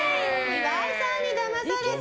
岩井さんにだまされた！